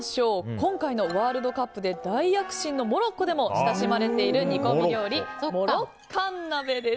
今回のワールドカップで大躍進のモロッコでも親しまれている煮込み料理モロッカン鍋です。